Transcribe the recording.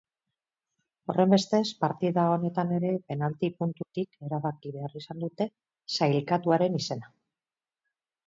Horrenbestez, partida honetan ere penalti puntutik erabaki behar izan dute sailkatuaren izena.